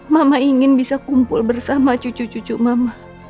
mama ingin bisa kumpul bersama cucu cucu mama